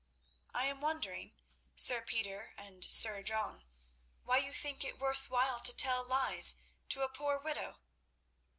"I am wondering, Sir Peter and Sir John, why you think it worth while to tell lies to a poor widow?